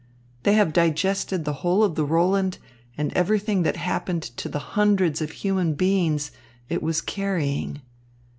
They have digested the whole of the Roland and everything that happened to the hundreds of human beings it was carrying.